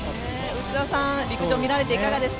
内田さん、陸上見られていかがでした？